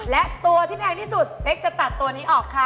และตัวที่แพงที่สุดเป๊กจะตัดตัวนี้ออกค่ะ